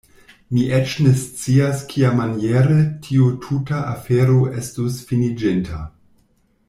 Mi eĉ ne scias kiamaniere tiu tuta afero estus finiĝinta.